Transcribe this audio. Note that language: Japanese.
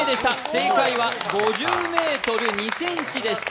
正解は５０ｍ２ｃｍでした。